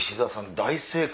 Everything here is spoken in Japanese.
大正解！